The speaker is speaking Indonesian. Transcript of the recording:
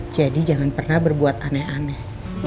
jadi jangan pernah berbuat aneh aneh